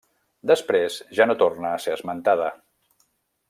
Després ja no torna a ser esmentada.